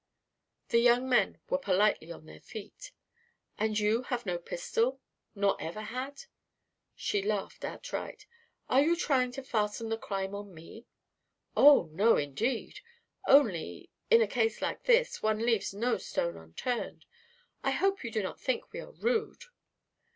The young men were politely on their feet. "And you have no pistol nor ever had?" She laughed outright. "Are you trying to fasten the crime on me?" "Oh, no, indeed. Only, in a case like this, one leaves no stone unturned I hope you do not think we are rude."